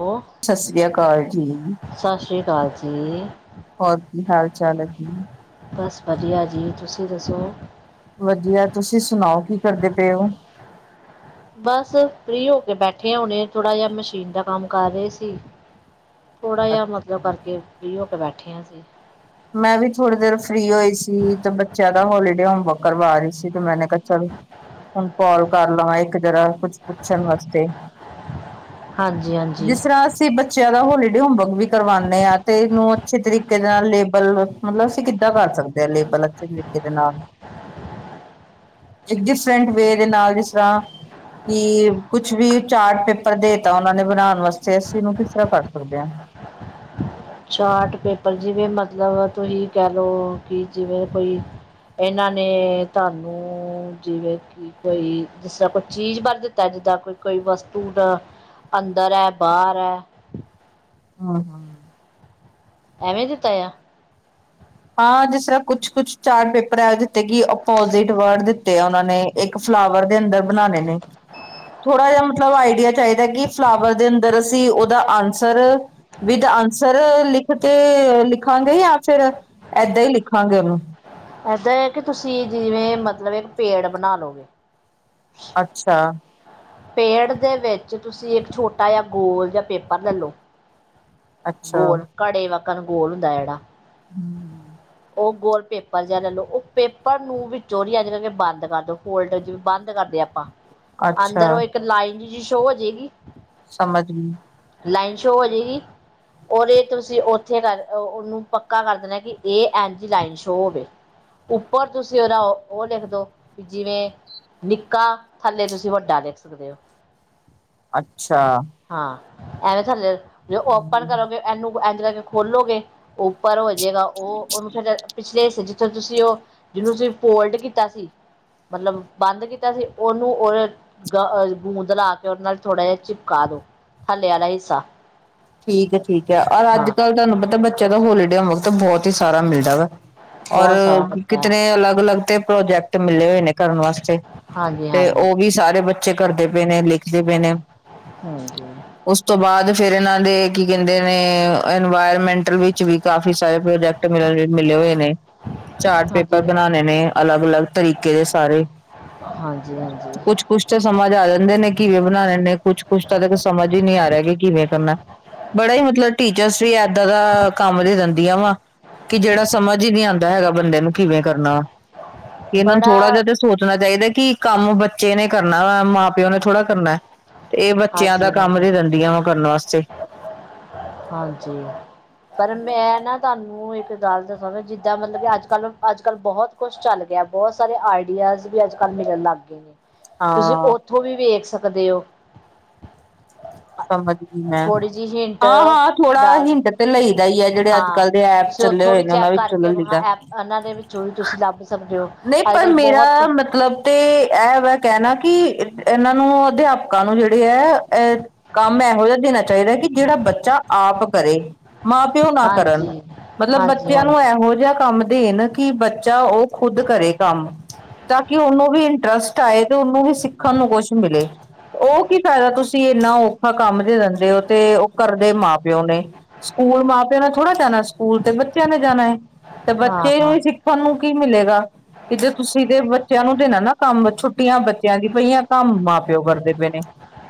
Hello ਸਤਿ ਸ੍ਰੀ ਅਕਾਲ ਜੀ ਸਤਿ ਸ਼੍ਰੀ ਅਕਾਲ ਜੀ ਹੋਰ ਕੀ ਹਾਲ ਚਾਲ ਹੈ ਹੈ ਬਸ ਵਧੀਆ ਜੀ ਤੁਸੀਂ ਦੱਸੋ ਵਧੀਆ ਤੁਸੀਂ ਸੁਣਾਓ ਕੀ ਕਰਦੇ ਪਏ ਹੋ ਬਸ ਫ੍ਰੀ ਹੋ ਕੇ ਬੈਠੇ ਹੁਣੇ ਥੋੜ੍ਹਾ ਜਿਹਾ ਮਸ਼ੀਨ ਦਾ ਕੰਮ ਕਰ ਰਹੇ ਸੀ ਥੋੜਾ ਜਿਹਾ ਮਤਲਬ ਕਰਕੇ ਫ੍ਰੀਹੋ ਕੇ ਬੈਠੇ ਬੱਠਿਆ ਸੀ [unintelligible] ਮੈਂ ਵੀ ਥੋੜੀ ਦੇਰ ਫ੍ਰੀ ਹੋਈ ਸੀ ਤੇ ਬੱਚਿਆਂ ਦਾ ਹੋਲੀਡੇ ਹੋਮਵਰਕ ਕਰਵਾ ਰਹੀ ਸੀ ਤੇ ਮੈਂਨ [unintelligible] ਚਲ ਹੁਣ ਪ [unintelligible] ਕਰ ਲਵਾਂ ਇੱਕ ਜਰਾ ਕੁੱਛ ਪੁੱਛਣ ਵਾਸਤੇ ਹਾਂਜੀ ਹਾਂਜੀ ਜ਼ਿਆਦਾ ਹੋਲੀਡੇ ਹੋਮਵਰਕ ਵੀ ਕਰਵਾਉਂਦੇ ਆ ਤੇ ਇਹਨੂੰ ਅੱਛੇ ਤਰੀਕੇ ਦੇ ਨਾਲ ਬਲ ਮਤਲਬ ਅਸੀਂ ਕਿੱਦਾਂ ਕਰ ਸਕਦੇ ਹਾਂ ਲੇਬਲ ਅੱਛੇ ਤਰੀਕੇ ਦੇ ਨਾਲ ਇੱਕ ਡਿਫਰਟ [unintelligible] ਵੇ ਦੇ ਨਾਲ ਜਿਸ ਤਰਾਂ ਕਿ ਕੁਛ ਵੀ ਚਾਰਟ ਪੇਪਰ ਦੇ ਦਿੱਤੇ ਉਹਨਾ ਨੇ ਬਣਾਉਣ ਵਾਸਤੇ ਅਸੀ ਇਸਨੂੰ ਕਿਸ ਤਰ੍ਹਾਂ ਕਰ ਸਕਦੇ ਹਾਂ ਚਾਰਟ ਪੇਪਰ ਜਿਵੇਂ ਮਤਲਬ ਤੁਸੀਂ ਕਹਿ ਲਓ ਕਿ ਜਿਵੇਂ ਕੋਈ ਇਹਨਾਂ ਨੇ ਤੁਹਾਨੂੰ ਜਿਵੇਂ ਕਿ ਕੋਈ ਜਿਸ ਤਰ੍ਹਾਂ ਕੋਈ ਚੀਜ਼ ਭਰ ਦਿੱਤਾ ਜਿੱਦਾਂ ਕੋਈ ਕੋਈ ਵਸਤੂ ਦਾ ਅੰਦਰ ਹੈ ਬਾਹਰ ਹੈ ਹਮ ਹਮ ਐਵੇਂ ਦਿੱਤਾ ਆ ਹਾਂ ਜਿਸ ਤਰ੍ਹਾਂ ਕੁਛ ਕੁਛ ਚਾਰਟ ਪੇਪਰ ਹੈ ਤੇ ਕਿ ਅੋਪਜਿਟ ਵਰਡ ਦਿੱਤੇ ਆ ਉਹਨਾਂ ਨੇ ਇੱਕ ਫਲਾਵਰ ਦੇ ਅੰਦਰ ਬਣਾਣੇ ਨੇ ਥੋੜ੍ਹਾ ਜਿਹਾ ਮਤਲਬ ਆਈਡੀਆ ਚਾਹੀਦਾ ਕਿ ਫਲਾਵਰ ਦੇ ਅੰਦਰ ਬਣਾਉਣੇ ਨੇ ਆਨਸਰ ਵਿਦ ਆਨਸਰ ਲਿਖ ਕੇ ਲਿਖਾਂਗੇ ਜਾਂ ਫਿਰ ਏਦਾਂ ਹੀ ਲਿਖਾਂਗੇ ਉਹਨੂੰ ਏਦਾਂ ਹੈ ਕਿ ਤੁਸੀਂ ਜਿਵੇਂ ਮਤਲਬ ਇੱਕ ਪੇੜ ਬਣਾ ਲਓ ਅੱਛਾ-ਅੱਛਾ। ਪੇੜ ਦੇ ਵਿੱਚ ਤੁਸੀਂ ਇੱਕ ਛੋਟਾ ਜਿਹਾ ਗੋਲ ਜਾਂ ਪੇਪਰ ਲੈ ਲਉ ਗੋਲ ਘੜੇ ਵ [unintelligible] ਗੋਲ ਹੁੰਦਾ ਹੈ ਜਿਹੜਾ ਹਮ ਹਮ [unintelligible] ਉਹ ਗੋਲ ਪੇਪਰ ਜਿਹਾ ਲੈ ਲਉ ਉਹ ਪੇਪਰ ਨੂੰ ਵਿੱਚੋ ਅੱਜ ਕਰਕੇ ਬੰਦ ਕਰ ਦਿਉ ਫੋਲਡ ' ਬੰਦ ਕਰਦੇ ਆਪਾਂ ਅੱਛਾ ਅੰਦਰ ਉਹ ਇੱਕ ਲਾਈਨ ਜਿਹੀ ਸ਼ੋਅ ਹੋ ਜਾਏਗੀ ਹ ਸਮਝ ਲ [unintelligible] ਲਾਈਨ ਸ਼ੋਅ ਵਜੇਗੀ ਇਹ ਤੁਸੀਂ ਉੱਥੇ ਕਰ ਉਹਨੂੰ ਪੱਕਾ ਕਰ ਦੇਣਾ ਕਿ ਇਹ ਐਨ ਜ ਲਾਈਨ ਸ਼ੋਅ ਹੋਵੇ ਉੱਪਰ ਤੁਸੀਂ ਉਹਦਾ ਉਹ ਲਿਖ ਦਿਓ ਵੀ ਜਿਵੇਂ ਨਿੱਕਾ ਥੱਲੇ ਤੁਸੀਂ ਵੱਡਾ ਲਿਖ ਸਕਦੇ ਹੋ [unintelligible] ਅੱਛਾ ਹਾਂ ਐਵੇਂ ਥੱਲੇ [unintelligible] [inaudible] ਕਰੋਗੇ ਇਹਨੂੰ ਇੰਝ ਲ ਕੇ ਖੋਲੋਗੇ ਉੱਪਰ ਹੋ ਜੇਗਾ ਉਹ ਉਹਨੂੰ ਫੇਿਰ ਪਿਛਲੇ ਜਿੱਥੋਂ ਤੁਸੀਂ ਉਹ ਜਿਹਨੂੰ ਤੁਸੀਂ ਪੋਲਟ ਕੀਤਾ ਸੀ ਮਤਲਬ ਬੰਦ ਕੀਤਾ ਸੀ ਉਹਨੂੰ ਉਹ ਗੂੰਦ ਲ ਕੇ ਉਹਦੇ ਨਾਲ ਥੋੜ੍ਹਾ ਜਿਹਾ ਚਿਪਕਾ ਦਉ ਥੱਲੇ ਵਾਲਾ ਹਿੱਸਾ ਠੀਕ ਠੀਕ ਹੈ ਔਰ ਅੱਜ ਹਾਂ ਕੱਲ੍ਹ ਤੁਹਾਨੂੰ ਪਤਾ ਬੱਚਿਆਂ ਦਾ ਹੋਲੀਡੇ ਤਾਂ ਬਹੁਤ ਹੀ ਸਾਰਾ ਮਿਲਦਾ ਵਾ ਔਰ ਬਹੁਤ ਸਾਰਾ ਮਿਲਦਾ ਕਿਤਨ ਹੈ ਅਲੱਗ ਅਲੱਗ ਤੇ ਪ੍ਰੋਜੈਕਟ ਮਿਲੇ ਹੋਏ ਨੇ ਕਰਨ ਵਾਸਤੇ ਹਾਂਜੀ ਤੇ ਹਾਂਜੀ ਉਹ ਵੀ ਸਾਰੇ ਬੱਚੇ ਕਰਦੇ ਪਏ ਨੇ ਲਿਖਦੇ ਪਏ ਨੇ ਹਾਂਜੀ ਉਸ ਤੋਂ ਬਾਅਦ ਫੇਰੇ ਨਾਲ ਦੇ ਕੀ ਕਹਿੰਦੇ ਨੇ ਇਨਵਾਇਰਮੈਂਟਲ ਵਿੱਚ ਵੀ ਕਾਫੀ ਸਾਰੇ ਪ੍ਰੋਜੈਕਟ ਮਿਲ ਮਿਲੇ ਹੋਏ ਨੇ ਚਾਰਟ ਪੇਪਰ ਹਾਂਜੀ ਬਣਾਉਣੇ ਨੇ ਅਲੱਗ ਅਲੱਗ ਤਰੀਕੇ ਦੇ ਸਾਰੇ ਹਾਂਜੀ ਕੁਛ ਹਾਂਜੀ ਕੁਛ ਤਾਂ ਸਮਝ ਆ ਜਾਂਦੇ ਨੇ ਕਿਵੇਂ ਬਣਾਣੇ ਨੇ ਕੁਛ ਕੁਛ ਤਾਂ ਤੱਕ ਸਮਝ ਹੀ ਨਹੀਂੀ ਆ ਰਿਹਾ ਕਿ ਕਿਵੇਂ ਕਰਨਾ ਬੜਾ ਹੀ ਮਤਲਬ ਟੀਚਰਸ ਵੀ ਇਏਦਾਂ ਦਾ ਕੰਮ ਦੀ ਦਿੰਦੀਆਂ ਵਾ ਕਿ ਜਿਹੜਾ ਸਮਝ ਹੀ ਨਹੀਂੀ ਆਉਂਦਾ ਹੈਗਾ ਬੰਦੇ ਨੂੰ ਕਿਵੇਂ ਕਰਨਾ ਕਿ ਇਹਨਾਂ ਨੂੰ ਬੜਾ ਥੋੜਾ ਜਿਹਾ ਤੇ ਸੋਚਣਾ ਚਾਹੀਦਾ ਕਿ ਕੰਮ ਬੱਚੇ ਨੇ ਕਰਨਾ ਵਾਲਾ ਮਾਂ ਪਿਓ ਨੇ ਥੋੜ੍ਹਾ ਕਰਨਾ ਤੇ ਇਹ ਬੱਚਿਆਂ ਹਾਂਜੀ ਦਾ ਕੰਮ ਹਾਂਜੀ ਨ ਦਿੰਦੀਆਂ ਵਾ ਕਰਨ ਵਾਸਤੇ ਹਾਂਜੀ ਪਰ ਮੈਂ ਨਾ ਤੁਹਾਨੂੰ ਮੂੰ ਇੱਕ ਗੱਲ ਦੱਸਾਂ ਮ ਜਿੱਦਾਂ ਮਤਲਬ ਕਿ ਅੱਜ ਕੱਲ੍ਹ ਅੱਜ ਕੱਲ੍ਹ ਬਹੁਤ ਕੁੱਝ ਚੱਲ ਗਿਆ ਬਹੁਤ ਸਾਰੇ ਆਈਡੀਆਜ਼ ਵੀ ਅੱਜ ਕੱਲ੍ਹ ਮਿਲਣ ਲੱਗ ਗਏ ਨੇ ਤੁਸੀਂ ਹਾਂ ਉੱਥੋਂ ਵੀ ਵੇਖ ਸਕਦੇ ਹੋ ਸਮਜੀ ਥੋੜ੍ਹੀ ਜਿਹੀ ਹਿੰਟ ਹਾਂ ਹਾਂ ਥੋੜਾ ਡਾਲ ਹਿੰਟ ਤੇ ਲਈ ਦਾ ਹੀ ਹੈ ਜਿਹੜੇ ਅੱਜ ਹਾਂ ਕਲ ਦੇ ਐਪ ਤੁਸੀਂ ਚੱਲੇ ਉੱਥੋਂ ਹੋਏ ਵੀ ਨੇ ਉਹਨਾਂ ਚੈੱਕ ਵਿੱਚੋਂ ਕਰਕੇ ਲ ਲਈ ਵਹਾਂ ਦਾ ਐਪ ਇਹਨਾਂ ਦੇ ਵਿੱਚੋਂ ਵੀ ਤੁਸੀਂ ਲੱਭ ਸਕਦੇ ਹੋ ਨਹੀਂ ਅੱਜ ਪਰ ਕੱਲ੍ਹ ਬਹੁਤ ਕੁ ਮੇਰਾ ਮਤਲਬ ਤੇ ਇਹ ਵਾ ਕਹਿਣਾ ਕਿ ਇਹਨਾਂ ਨੂੰ ਅਧਿਆਪਕਾਂ ਨੂੰ ਜਿਹੜੇ ਹੈ ਅਹ ਕੰਮ ਇਹੋ ਜਿਹੇ ਦਿਨਾਂ ਚਾਹੀਦਾ ਕਿ ਜਿਹੜਾ ਬੱਚਾ ਆਪ ਕਰੇ ਮਾਂ ਪਿਓ ਨਾ ਕਰਨ ਹਾਂਜੀ ਮਤਲਬ ਹਾਂਜੀ ਬੱਚਿਆਂ ਨੂੰ ਹਾਂਜੀ ਇਹੋ ਜਿਹਾ ਕੰਮ ਦੇਣ ਕਿ ਬੱਚਾ ਉਹ ਖੁਦ ਕਰੇ ਕੰਮ ਤਾਂ ਕਿ ਉਹਨੂੰ ਵੀ ਇੰਟਰਸਟ ਆਏ ਤੇ ਉਹਨੂੰ ਵੀ ਸਿੱਖਣ ਨੂੰ ਕੁਛ ਮਿਲੇ ਉਹ ਕੀ ਫਾਇਦਾ ਤੁਸੀਂ ਇਨਾ ੱਖਾ ਕੰਮ ਦੇ ਦਿੰਦੇ ਉਹ ਤੇ ਉਹ ਘਦੇ ਮਾਂ ਪਿਓ ਨੇ ਸਕੂਲ ਮਾਂ ਪਿਓ ਨੇ ਥੋੜ੍ਹਾ ਜਾਣਾ ਸਕੂਲ ਤੇ ਬੱਚਿਆਂ ਨੇ ਜਾਣਾ ਤੇ ਹਾਂ ਬੱਚੇ ਨੂੰ ਹਾਂ ਹੀ ਸਿੱਖਣ ਨੂੰ ਕੀ ਮਿਲੇਗਾ ਕਿ ਜੇ ਤੁਸੀਂ ਤੇ ਬੱਚਿਆਂ ਨੂੰ ਦੇ ਨਾ ਨਾ ਕੰਮ ਛੁੱਟੀਆਂ ਬੱਚਿਆਂ ਦੀ ਪਈਆਂ ਕੰਮ ਮਾਂ ਪਿਓ ਕਰਦੇ ਪਏ ਨੇ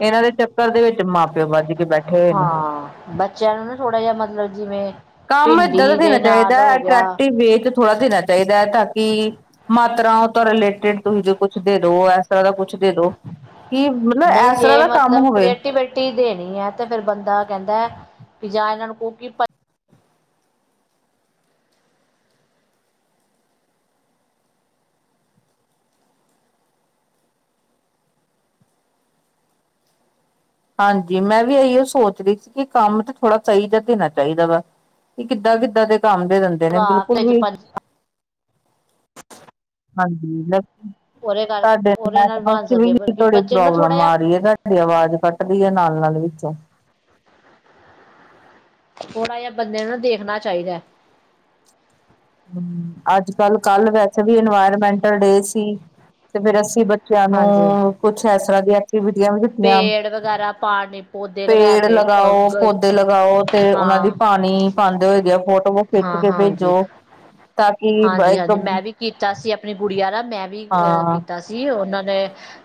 ਇਹਨਾਂ ਦੇ ਚੱਕਰ ਦੇ ਵਿੱਚ ਮਾਂ ਪਿਓ ਵਜੀੀ ਬੈਠੇ ਹੋਏ ਨੇ ਹਾਂ ਬੱਚਿਆਂ ਨੂੰ ਨਾ ਥੋੜ੍ਹਾ ਜਿਹਾ ਮਤਲਬ ਜਿਵੇਂ ਕੰਮ ਏਦਾਂ ਦਾ ਭਿੰਡੀ ਦੇਣਾ ਦੇ ਨਾਲ ਚਾਹੀਦਾ ਹੋ ਗਿਆ ਅੈਕਟਿਵ ਵੇ ਥੋੜਾ ਦੇਣਾ ਚਾਹੀਦਾ ਹੈ ਤਾਂ ਕਿ ਮਾਤਰਾ ਤੋਂ ਰਿਲੇਟਿਡ ਤੁਸੀਂ ਜੋ ਕੁਛ ਦੇ ਦੋ ਇਸ ਤਰ੍ਹਾਂ ਦਾ ਕੁਛ ਦੇ ਦੋ ਕਿ ਮਤਲਬ ਇਸ ਤਰ੍ਹਾਂ ਦਾ ਕੰਮ ਹੋਵੇ ਰੁਟੀ ਦੇਣੀ ਹੈ ਤੇ ਫੇਿਰ ਬੰਦਾ ਕਹਿੰਦਾ ਕਿ ਜਾਂ ਇਹਨਾਂ ਨੂੰ ਕੋ ਹਾਂਜੀ ਮੈਂ ਵੀ ਇਹੀਓ ਸੋਚ ਰਹੀ ਸੀ ਕਿ ਕੰਮ ਤੇ ਥੋੜ੍ਹਾ ਚਾਹੀਦਾ ਦੇਣਾ ਚਾਹੀਦਾ ਵਾ ਕਿ ਕਿੱਦਾਂ ਕਿੱਦਾਂ ਦੇ ਕੰਮ ਦੇ ਦਿੰਦੇ ਨੇ ਬਿਲਕੁਲ ਵੀ ਹਾਂਜੀ, ਲੈ ਉਹਦੇ ਕਰ ਸਾਡੇ ਉਹਦੇ ਨਾਲ ਨੈਟਵਰਕ ਬਣ ਚ ਸਕਦੇ ਵੀ ਬਲਕਿ ਥੋੜੀ ਬੱਚੇ ਨੂੰ ਨਾ ਥੋੜਾ ਪ੍ਰੋਬਲਮ ਜਿਹਾ ਆ ਰਹੀ ਹੈ, ਤੁਹਾਡੀ ਆਵਾਜ਼ ਕੱਟ ਵਧੀਆ ਨਾਲ- ਨਾਲ ਵਿੱਚ ਥੋੜ੍ਹਾ ਜਿਹਾ ਬੰਦੇ ਨੂੰ ਨਾ ਦੇਖਣਾ ਚਾਹੀਦਾ। ਅੱਜ-ਕੱਲ ਕੱਲ ਵੈਸੇ ਵੀ ਇਨਵਾਇਰਮੈਂਟਲ ਡੇ ਸੀ, ਤੇ ਫਿਰ ਅਸੀਂ ਬੱਚ ਬੱਚਿਆਂ ਹਾਂਜੀ। ਨੂੰ ਕੁਛ ਇਸ ਤਰ੍ਹਾਂ ਦੀਆਂ ਐਕਟੀਵਿਟੀਆਂ ਵੀ ਦਿੱਤੀਆਂ ਪੇੜ ਵਗੈਰਾ ਪਾਣੀ ਪੌਦੇ ਲਗਾ ਪੇੜ ਕੇ ਲਗਾਓ, ਹਾਂ ਪੌਦੇ ਲਗਾਓ ਤੇ ਹਾਂ ਉਹਨਾਂ ਦੀ ਪਾਣੀ ਪਾਂਦੇ ਹੋਏ ਦੀਆਂ ਫੋ ਫੋਟੋ ਨੂੰ ਖਿੱਚ ਹਾਂ ਕੇ ਹਾਂਜੀ। ਭੇਜੋ। ਤਾਂ ਕਿ ਹਾਂਜੀ- ਇੱਕ ਹਾਂਜੀ ਮੈਂ ਵੀ ਕੀਤਾ ਸੀ ਆਪਣੀ ਗੁੜੀਆ ਦਾ ਮੈਂ ਵੀ ਅਹ ਹਾਂ ਕੀਤਾ ਸੀ ਉਹਨਾਂ ਨੇ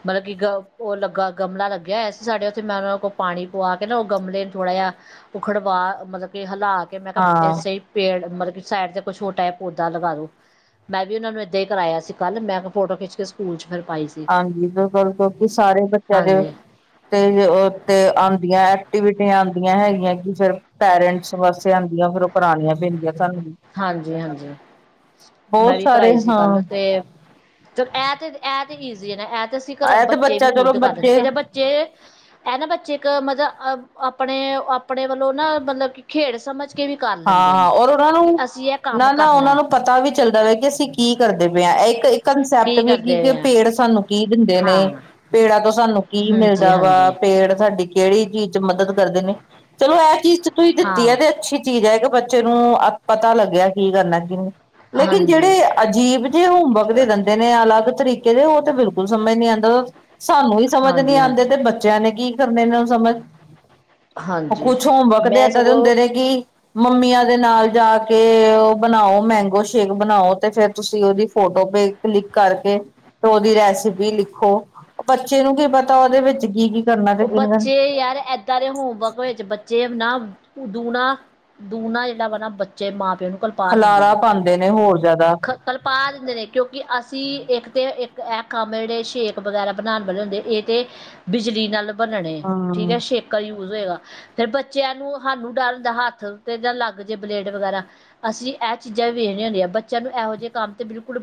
ਮਤਲਬ ਕਿ ਗ ਉਹ ਲੱਗਾ ਗਮਲਾ ਲੱਗਿਆ ਆ ਸੀ, ਸਾਡੇ ਉੱਥੇ ਮੈਂ ਉਹਨਾਂ ਕੋਲ ਪਾਣੀ ਪਵਾ ਕੇ ਨਾ ਉਹ ਗਮਲੇ ਨੂੰ ਥੋੜਾ ਜਿਹਾ ਉਖੜਵਾ ਮਤਲਬ ਕਿ ਹਿਲਾ ਕੇ ਮੈਂ ਕਿਹਾ ਹਾਂ ਇਸ ਸੇ ਹੀ ਪੇੜ ਮਤਲਬ ਸਾਈਟ ਤੇ ਕੁਛ ਹੋਰ ਟਾਈਪ ਹੋਤੀ ਲਗਾ ਦੋ ਮੈਂ ਵੀ ਉਹਨਾਂ ਨੂੰ ਏਦਾਂ ਹੀ ਕਰਾਇਆ ਸੀ, ਕੱਲ ਮੈਂ ਫੋਟੋ ਖਿੱਚ ਕੇ ਸਕੂਲ ਚ ਫਿਰ ਪਾਈ ਸੀ ਹਾਂਜੀ ਤੇ ਬਿਲਕੁਲ ਕਿ ਸਾਰੇ ਬੱਚਿਆਂ ਦੇ ਹਾਂਜੀ ਤੇ ਤੇ ਦੀਆਂ ਐਕਟੀਵਿਟੀਆਂ ਆਂਦੀਆਂ ਹੈਗੀਆਂ, ਕਿ ਫੇਰ ਪੇਰੈਂਟਸ ਵਾਸਤੇ ਆਂਦੀਆਂ ਫੇਰ ਉਹ ਕਰਾਣੀਆਂ ਪੈਂਦੀਆਂ। ਸਾਨੂੰ ਵੀ ਹਾਂਜੀ, ਹਾਂਜੀ ਮੈਂ ਬਹੁਤ ਵੀ ਸਾਰੇ ਕਰਾਈ ਸੀ ਹਾਂ ਕੱਲ ਤੇ ਇਹ ਤੇ ਬਹੁਤ ਇਜੀ ਹੈ, ਐਪ ਤੇ ਅਸੀਂ ਘਰ ਇਹ ਤੇ ਬੱਚੇ ਵੀ ਬੱਚਾ ਚਲੋ ਖੁੱਦ ਕਰ ਲੈਣਗੇ, ਇਹਦੇ ਬੱਚੇ ਇਹ ਨਾ ਬੱਚੇ ਇੱਕ ਮਤਲਬ ਅ ਆਪਣੇ ਆਪਣੇ ਵੱਲੋਂ ਨਾ ਮਤਲਬ ਕਿ ਖੇਡ ਸਮਝ ਕੇ ਵੀ ਕਰ ਲੈਂਦੇ ਨੇ। ਕਿ ਅਸੀਂ ਇਹ ਕੰਮ ਨਾ-ਨਾ ਉਹਨਾਂ ਕਰਨਾ ਨੂੰ ਪਤਾ ਵੀ ਚੱਲਦਾ ਹੈ, ਕਿ ਅਸੀਂ ਕੀ ਕਰਦੇ ਪਏ ਹਾਂ, ਇੱਕ ਕੰਸੈਪਟ ਵੀ ਹੈ ਕੀ ਕਰਦੇ ਕਿ ਪਏ ਆ ਪੇੜ ਸਾਨੂੰ ਕੀ ਦਿੰਦੇ ਨੇ ਹਾਂ ਪੇੜਾਂ ਤੋਂ ਸਾਨੂੰ ਕੀ ਹਾਂਜੀ ਮਿਲਦਾ ਵਾ ਹਾਂਜੀ ਪੇੜ ਸਾਡੀ ਕਿਹੜੀ ਚੀਜ਼ ਚ ਮਦਦ ਕਰਦੇ ਨੇ, ਚਲੋ ਇਹ ਚੀਜ਼ ਚ ਤੁਸੀਂ ਦਿੱਤੀ ਹੈ ਹਾਂ ਤੇ ਅੱਛੀ ਚੀਜ਼ ਹੈ ਕਿ ਬੱਚੇ ਨੂੰ ਪਤਾ ਲੱਗਿਆ ਕੀ ਕਰਨਾ ਕੀ ਨਹੀਂ। ਲੇਕਿਨ ਹਾਂਜੀ ਜਿਹੜੇ ਅਜੀਬ ਜਿਹੇ ਹੋਮਵਰਕ ਦੇ ਦਿੰਦੇ ਨੇ ਅਲੱਗ ਤਰੀਕੇ ਦੇ ਉਹ ਤੇ ਬਿਲਕੁਲ ਸਮਝ ਨਹੀਂ ਆਂਦਾ। ਸਾਨੂੰ ਹੀ ਸਮਝ ਨੀ ਹਾਂਜੀ ਆਂਦੇ ਹਾਂਜੀ ਤੇ ਬੱਚਿਆਂ ਨੇ ਕੀ ਕਰਨੇ ਨੂੰ ਸਮਝ ਉਹ ਹਾਂਜੀ ਕੁਛ ਹੋਮਵਰਕ ਦੇ ਮੈਂ ਏਦਾਂ ਦੇ ਸਗੋਂ ਹੁੰਦੇ ਨੇ ਕਿ ਮੰਮੀਆਂ ਦੇ ਨਾਲ ਜਾ ਕੇ ਉਹ ਬਣਾਉ, ਮੈਂਗੋ ਸ਼ੇਕ ਬਣਾਉ ਤੇ ਫੇਰ ਤੁਸੀਂ ਉਹਦੀ ਫੋਟੋ ਪੇ ਕਲਿੱਕ ਕਰਕੇ ਤੇ ਉਹਦੀ ਰੈਸਿਪੀ ਲਿਖੋ। ਬੱਚੇ ਨੂੰ ਕੀ ਪਤਾ, ਉਹਦੇ ਵਿੱਚ ਕੀ ਕੀ ਕਰਨਾ ਤੇ ਕੀ ਬੱਚੇ ਯਾਰ ਏਦਾਂ ਦੇ ਹੋਮਵਰਕ ਵਿੱਚ ਬੱਚੇ ਨਾ ਦੂਣਾ-ਦੂਣਾ ਜਿਹੜਾ ਵਾ ਨਾ ਬੱਚੇ ਮਾਂ ਪਿਓ ਨੂੰ ਕਲਪਾ ਦਿੰਦੇ ਖਲਾਰਾ ਨੇ ਪਾਉਂਦੇ ਨੇ ਹੋਰ ਜ਼ਿਆਦਾ ਕਲਪਾ ਦਿੰਦੇ ਨੇ ਕਿਉਂਕਿ ਅਸੀਂ ਇੱਕ ਤੇ ਇੱਕ ਇਹ ਕੰਮ ਜਿਹੜੇ ਸ਼ੇਕ ਵਗੈਰਾ ਬਣਾਉਣ ਵਾਲੇ ਹੁੰਦੇ, ਇਹ ਤੇ ਬਿਜਲੀ ਨਾਲ ਬਣਨਣੇ ਠੀਕ ਹਮ ਹੈ ਛੇਕ ਹੋਏਗਾ ਫੇਰ ਬੱਚਿਆਂ ਨੂੰ ਸਾਨੂੰ ਡਰ ਹੁੰਦਾ, ਹੱਥ ਤੇ ਨਾ ਲੱਗ ਜੇ ਬਲੇਡ ਵਗੈਰਾ, ਅਸੀਂ ਇਹ ਚੀਜ਼ਾਂ ਵੀ ਵੇਖਦੇ ਹੁਨਿਆ। ਬੱਚਿਆਂ ਨੂੰ ਇਹੋ ਜਿਹੇ ਕੰਮ ਤੇ ਬਿਲਕੁਲ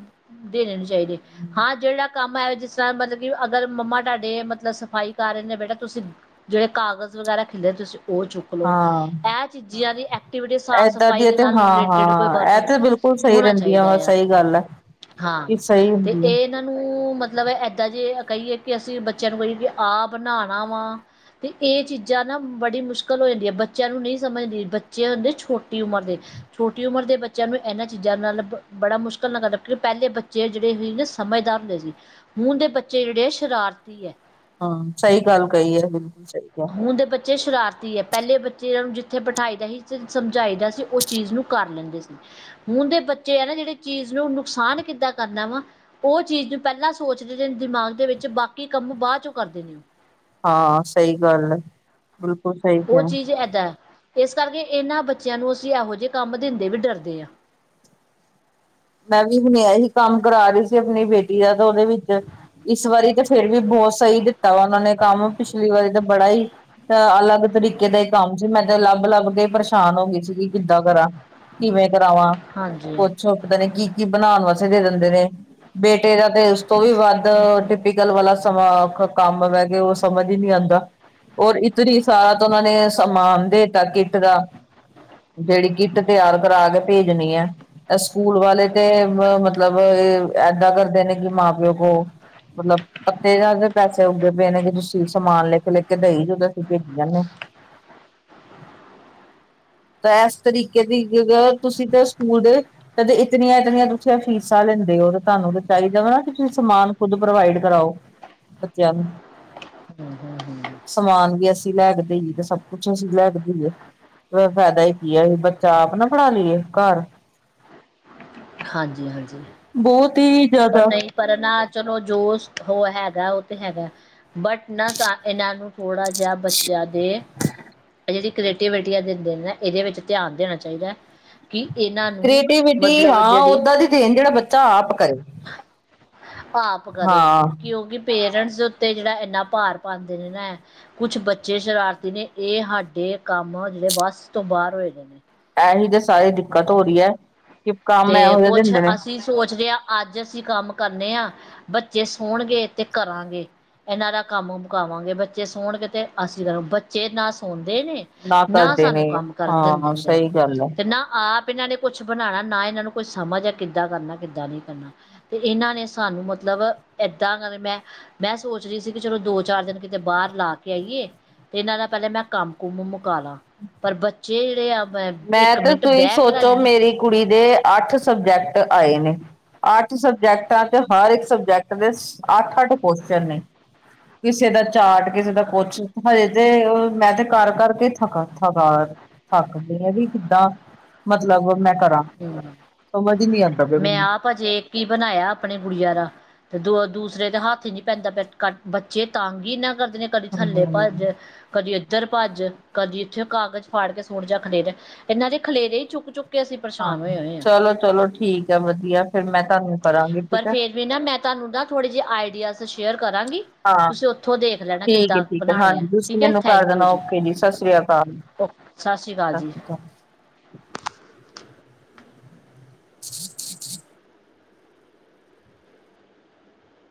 ਦੇਣੇ ਨ ਹਾਂ ਜੇਹੜਾ ਕੰਮ ਹੈ ਜਿਸ ਤਰ੍ਹਾਂ ਮਤਲਬ ਕਿ ਅਗਰ ਮੰਮਾ ਤੁਹਾਡੇ ਮਤਲਬ ਸਫ਼ਾਈ ਕਰ ਰਹੇ ਨੇ ਬੇਟਾ ਤੁਸੀਂ ਜਿਹੜੇ ਕਾਗਜ਼ ਵਗੈਰਾ ਖਿਲਰੇ ਤੁਸੀਂ ਉਹ ਚੁੱਕ ਲਓ ਹਾਂ ਇਹ ਚੀਜ਼ਾਂ ਦੀ ਐਕਟੀਵਿਟੀ ਏਦਾਂ ਸਾਫ਼-ਸਫ਼ਾਈ ਦੀ ਦੇ ਤੇ ਨਾਲ ਹਾਂ ਰਿਲੇਟਿਡ ਕੋਈ ਵਰਕ ਹਾਂ ਇਹ ਤੇ ਬਿਲਕੁਲ ਸਹੀ ਹੋਣਾ ਰਹਿੰਦੀਆਂ ਚਾਹੀਦਾ ਵਾ ਆ ਸਹੀ ਗੱਲ ਹੈ ਹਾਂ ਕਿ ਸਹੀ ਤੇ ਹੁੰਦੀ ਹੈ ਇਹ ਇਹਨਾਂ ਨੂੰ ਮਤਲਬ ਇਏਦਾਂ ਜ ਇਹ ਕਹੀਏ ਕਿ ਅਸੀਂ ਬੱਚਿਆਂ ਨੂੰ ਕਹੀਏ ਕਿ ਆਪ ਨਣਾਣਾ ਵਾ ਤੇ ਇਹ ਚੀਜ਼ਾਂ ਨਾ ਬੜੀ ਮੁਸ਼ਕਿਲ ਹੋ ਜਾਂਦੀ ਹੈ ਬੱਚਿਆਂ ਨੂੰ ਨਹੀਂ ਸਮਝਦੀ ਬੱਚੇ ਹੁੰਦੇ ਛੋਟੀ ਉਮਰ ਦੇ ਛੋਟੀ ਉਮਰ ਦੇ ਬੱਚਿਆਂ ਨੂੰ ਇਹਨਾਂ ਚੀਜ਼ਾਂ ਨਾਲ ਬੜਾ ਮੁਸ਼ਕਿਲ ਨਾਲ ਕਰਦਾ ਕਿਉਂਕਿ ਪਹਿਲੇ ਬੱਚੇ ਜਿਹੜੇ ਸੀ ਸਮਝਦਾਰ ਹੁੰਦੇ ਸੀ ਹੁਣ ਦੇ ਬੱਚੇ ਜਿਹੜੇ ਆ ਸ਼ਰਾਰਤੀ ਹੈ। ਹਾਂ, ਸਹੀ ਗੱਲ ਕਹੀ ਹੈ, ਬਿਲਕੁਲ ਸਹੀ ਹੈ। ਹੁਣ ਦੇ ਉੱਥੇ ਬਿਠਾਈ ਦਾ ਸੀ, ਸਮਝਾਈ ਦਾ ਸੀ ਉਹ ਚੀਜ਼ ਨੂੰ ਕਰ ਲੈਂਦੇ ਸੀ। ਹੁਣ ਦੇ ਬੱਚੇ ਆ ਨਾ ਜਿਹੜੇ, ਚੀਜ਼ ਨੂੰ ਨੁਕਸਾਨ ਕਿੱਦਾਂ ਕਰਨਾ ਵਾ ਉਹ ਚੀਜ਼ ਨੂੰ ਪਹਿਲਾਂ ਸੋਚਦੇ ਨੇ, ਦਿਮਾਗ ਦੇ ਵਿੱਚ ਬਾਕੀ ਕੰਮ ਬਾਅਦ ਚੋਂ ਕਰਦੇ ਨੇ। ਹਾਂ, ਸਹੀ ਗੱਲ ਹੈ। ਬਿਲਕੁਲ ਸਹੀ ਉਹ ਕਿਹਾ ਚੀਜ਼ ਏਦਾਂ ਹੈ। ਇਸ ਕਰਕੇ ਇਹਨਾਂ ਬੱਚਿਆਂ ਨੂੰ ਅਸੀਂ ਇਹੋ ਜਿਹੇ ਕੰਮ ਦਿੰਦੇ ਵੀ ਡਰਦੇ ਹਾਂ। ਮੈਂ ਵੀ ਹੁਣ ਇਹੀ ਕੰਮ ਕਰਾ ਰਹੀ ਸੀ ਆਪਣੀ ਬੇਟੀ ਦਾ ਤੇ ਉਹਦੇ ਵਿੱਚ ਇਸ ਵਾਰੀ ਤੇ ਫੇਰ ਵੀ ਬਹੁਤ ਸਹੀ ਦਿੱਤਾ ਵਾ ਉਹਨਾਂ ਨੇ ਕੰਮ ਪਿਛਲੀ ਵਾਰੀ ਤਾਂ ਬੜਾ ਹੀ ਅ ਅਲੱਗ ਤਰੀਕੇ ਦਾ ਹੀ ਕੰਮ ਸੀ, ਮੈਂ ਤੇ ਲੱਭ-ਲੱਭ ਕੇ ਪਰੇਸ਼ਾਨ ਹੋ ਗਈ ਸੀਗੀ ਕਿੱਦਾਂ ਕਰਾਂ ਕਿਵੇਂ? ਕਰਾਵਾਂ ਹਾਂਜੀ ਪੁੱਛੋ ਕੀ ਕੀ ਬਣਾਉਣ ਵਾਸਤੇ ਦੇ ਦਿੰਦੇ ਨੇ ਬੇਟੇ ਦਾ ਤੇ ਤੋਂ ਵੀ ਵੱਧ ਟਿਪਕਲ ਵਾਲਾ ਹਾ, ਸਮਾਂ ਕੰਮ ਮੈ ਕੇ ਉਹ ਸਮਝ ਹੀ ਨੀ ਆਉਂਦਾ ਔਰ ਇਤਨੀ ਸਾਰਾ ਤਾਂ ਉਹਨਾਂ ਨੇ ਸਮਾਨ ਦੇਤਾ ਕਿੱਟ ਦਾ ਜਿਹੜੀ ਕਿੱਟ ਤਿਆਰ ਕਰਾ ਕੇ ਭੇਜਣੀ ਹੈ। ਸਕੂਲ ਵਾਲੇ ਤੇ ਮਤਲਬ ਏਦਾਂ ਕਰਦੇ ਨੇ ਕਿ ਮਾਂ-ਪਿਓ ਕੋਲ ਮਤਲਬ ਪੇੜਾ ਤੇ ਪੈਸੇ ਉੱਗੇ ਪਏ ਨੇ ਕਿ ਤੁਸੀਂ ਸਮਾਨ ਲਿਖ-ਲਿਖਕੇ ਦੇਈ ਜਾਔ, ਤੇ ਅਸੀਂ ਭੇਜ ਜਾਂਦੇ ਤਾਂ ਇਸ ਤਰੀਕੇ ਦੀ ਤੁਸੀਂ ਤੇ ਸਕੂਲ ਦੇ ਕ ਇਤਨੀਆਂ- ਇਤਨੀਆਂ ਤੁਸੀ ਫੀਸਾਂ ਲੈਂਦੇ ਹੋ ਤੁਹਾਨੂੰ ਤੇ ਚਾਹੀਦਾ ਵਾ ਕਿ ਤੁਸੀਂ ਸਮਾਨ ਖੁਦ ਪ੍ਰੋਵਾਈਡ ਕਰਾਓ ਬੱਚਿਆਂ ਨੂੰ ਸਮਾਨ ਵੀ ਅਸੀਂ ਲੈਕੇ ਦੇਹੀਏ ਤੇ ਸਭ ਕੁਛ ਅਸੀਂ। ਲੈਗਦੇਈਏ ਫਾਇਦਾ ਹੀ ਕੀ, ਇਹ ਆਸੀ ਬੱਚਾ ਆਪ ਨਾ ਪੜ੍ਹਾ ਲਈਏ ਘਰ। ਹਾਂਜੀ-ਹਾਂਜੀ। ਬਹੁਤ ਹੀ ਪਰ ਜ਼ਿਆਦਾ ਨਹੀਂ ਪਰ ਨਾ ਚਲੋ ਜੋ ਹੋ ਹੈਗਾ, ਉਹ ਤੇ ਹੈਗਾ। ਬਟ ਨਾ ਸਾਫ ਇਹਨਾਂ ਨੂੰ। ਥੋੜਾ ਜਿਹਾ ਬੱਚਿਆਂ ਦੇ ਜਿਹੜੀ ਕ੍ਰੀਏਟਿਵਿਟੀਆ ਦਿਨਦੇ ਨੇ, ਏਹਦੇ ਵਿੱਚ ਧਿਆਨ ਦੇਣਾ ਚਾਹੀਦਾ ਹੈ ਕਿ ਇਹਨਾਂ ਨੂੰ ਕ੍ਰੀਏਟੀਵਿਟੀ ਮਤਲਬ ਹਾਂ ਜਿਹੜੀ ਓਦਾਂ ਦੀ ਦੇਣ, ਜਿਹੜਾ ਬੱਚਾ ਆਪ ਕਰੇ। ਪਾਪ ਕਰੇ ਹਾਂ ਕਿਉਂਕਿ ਪੇਰੈਂਟਸ [inaudible] ਇਸ ਉੱਤੇ ਜਿਹੜਾ ਇੰਨਾ ਭਾਰ ਪਾਉਂਦੇ ਨੇ ਨਾ, ਕੁਛ ਬੱਚੇ ਸ਼ਰਾਰਤੀ ਨੇ, ਇਹ ਸਾਡੇ ਕੰਮ ਜਿਹੜੇ ਬੱਸ ਤੋਂ ਬਾਹਰ ਹੋਏ ਗਏ ਨੇ। ਹੀ ਤੇ ਸਾਰੀ ਦਿੱਕਤ ਹੋ ਰਹੀ ਹੈ। ਕਿ ਕੰਮ ਤੇ ਇਹੋ ਜਿਹੇ ਕੁਛ ਦਿੰਦੇ ਨੇ ਅਸੀਂ ਸੋਚਦੇ ਆ। ਅੱਜ ਅਸੀਂ ਕੰਮ ਕਰਨੇ ਹਾਂ, ਬੱਚੇ ਸੌਣਗੇ ਤੇ ਕਰਾਂਗੇ, ਇਹਨਾਂ ਦਾ ਕੰਮ ਮਕਾਵਾਂਗੇ ਬੱਚੇ ਸੋਣਗੇ ਤੇ ਅਸੀਂ ਕਰਾਂਗੇ ਬੱਚੇ ਨਾ ਸੋਣ ਨੇ ਨਾ ਕਰਦੇ ਨੇ ਸਾਨੂੰ, ਕੰਮ ਕਰਨ ਦਿੰਦੇ ਹਾਂ ਨੇ ਸਹੀ ਗੱਲ ਹੈ ਤੇ ਨਾ ਆਪ ਪਿੰਡਾਂ ਨੇ ਕੁਛ ਬਣਾਣਾ ਨਾ ਇਹਨਾਂ ਨੂੰ ਕੋਈ ਸਮਝ ਆ, ਕਿੱਦਾਂ ਕਰਨਾ ਕਿੱਦਾਂ ਨਹੀਂ ਕਰਨਾ, ਤੇ ਇਹਨਾਂ ਨੇ ਸਾਨੂੰ ਮਤਲਬ ਏਦਾਂ ਕਰ ਮੈਂ ਮੈਂ ਸੋਚ ਰਹੀ ਸੀ ਕਿ, ਚਲੋ ਦੋ ਚਾਰ ਦਿਨ ਕਿਤੇ ਬਾਹਰ ਲਾ ਕੇ ਆਈਏ ਤੇ, ਇਹਨਾਂ ਦਾ ਪਹਿਲੇਾਂ ਮੈਂ ਕੰਮ ਕੁਮ ਮੁਕਾਲਾ ਪਰ ਬੱਚੇ ਜਿਹੜੇ ਆ ਮੈਂ ਇੱਕ ਤੇ, ਮਿੰਟ ਤੁਸੀਂ ਬਹਿ ਕੇ ਸੋਚੋ ਰਾਜੀ ਨਹੀਂ ਮੇਰੀ ਕੁੜੀ ਦੇ ਅੱਠ ਸਬਜੈਕਟ ਆਏ ਨੇ, ਅੱਠ ਸਬਜੈਕਟਾਂ ਚ ਹਰ ਇੱਕ ਸਬਜੈਕਟ ਦੇ ਅੱਠ -ਅੱਠ ਕੁਸ਼ਚਨ ਨੇ ਕਿਸੇ ਦਾ ਚਾਰਟ ਕਿਸੇ ਦਾ ਕੁਸ਼ਚ, ਹਜੇ ਤੇ ਮੈਂ ਤੇ ਕਰ ਕਰਕੇ ਥਕਾ ਥਕਾ ਥੱਕ ਵੀ ਕਿੱਦਾਂ ਮਤਲਬ ਮੈਂ ਕਰਾਂ ਹਮ ਸਮਝ ਹੀ ਨਹੀਂ ਆਉਂਦਾ ਪਿਆ ਮੈਂ ਆਪ ਭਜੇ ਹੀ ਬਨਾਇਆ, ਆਪਣੇ ਗੁੜੀਆਂ ਦਾ ਤੇ ਦੋ ਦੂਸਰੇ ਦੇ ਹੱਥ ਹੀ ਨੀ ਪੈਂਦਾ, ਬੱਚੇ ਤਾਂੰਗੀ ਨਾ ਕਰਦੇ ਨੇ, ਕਦੀ ਥੱਲੇ ਮੈਨੂੰ ਹਮ ਭੱਜ ਕਦੀ ਇੱਧਰ ਭੱਜ, ਕਦੀ ਇੱਥੇ ਕਾਗਜ਼ ਫਾੜ ਕੇ ਸੁਟ ਜਾ ਖਲੇਰੇ, ਇਹਨਾਂ ਦੇ ਖਲੇਰੇ ਹੀ ਚੁੱਕ ਚੁੱਕੇ ਹਾਂਜੀ, ਚਲੋ -ਚਲੋ ਠੀਕ ਹੈ ਵਧੀਆ ਫਿਰ ਮੈਂ ਤਾਂ ਪਰ ਫਿਰ ਵੀ ਨਾ ਮੈਂ ਤੁਹਾਨੂੰ ਨਾ ਥੋੜ੍ਹੇ ਜਿਹੀ ਆਈਡੀਆਜ਼ ਸ਼ੇਅਰ ਕਰਾਂਗੀ, ਹਾਂ ਤੁਸੀਂ ਉੱਥੋਂ ਦੇਖ ਲੈਣਾ ਠੀਕ ਹੈ ਕਿੱਦਾਂ ਠੀਕ ਬਣਾਉਣੇ ਹੈ, ਹਾਂਜੀ ਤੁਸੀਂ ਠੀਕ ਹੈ ਮੈਨੂੰ ਕਰ ਥੈਂਕ ਯੂ ਦੇਣਾ ਜੀ ਓਕੇ ਸਤਿ ਸ੍ਰੀ ਅਕਾਲ ਓ ਸਤਿ ਸ਼੍ਰੀ ਅਕਾਲ ਜੀ।